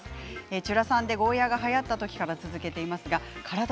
「ちゅらさん」でゴーヤーがはやった時から続けています。